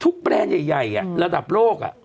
แบรนด์ใหญ่ระดับโลก